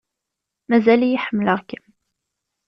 Mazal-iyi ḥemmleɣ-kem.